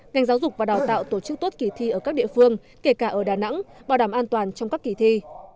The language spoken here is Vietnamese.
ngành giáo dục và đào tạo tổ chức tốt kỳ thi ở các địa phương kể cả ở đà nẵng bảo đảm an toàn trong các kỳ thi